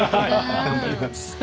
頑張ります。